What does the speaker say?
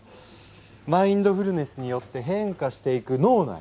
マインドフルネスによって変化していく脳内